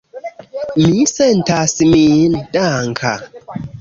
Mi sentas min danka.